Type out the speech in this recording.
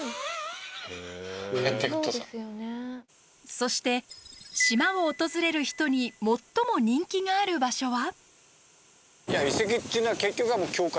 そして島を訪れる人に最も人気がある場所は。